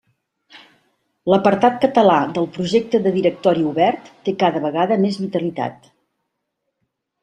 L'apartat català del Projecte de Directori Obert té cada vegada més vitalitat.